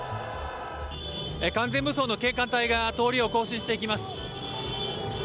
完全武装の警官隊が通りを行進していきます。